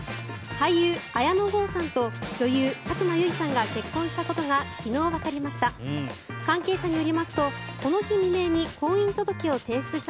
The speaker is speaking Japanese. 俳優・綾野剛さんと女優・佐久間由衣さんが結婚したことが昨日、わかりました。